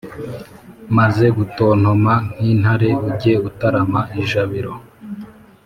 maze gutontoma nk’intare, ujye utarama ijabiro.